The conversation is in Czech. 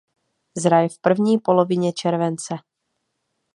Zraje v první polovině července.